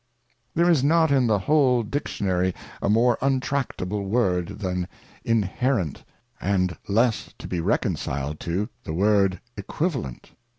There is not in the whole Dictionary a more untractable word than Inherent, and less to be reconciled to the word Equivalent.